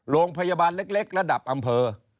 โรงพยาบาลเล็กระดับอำเภอ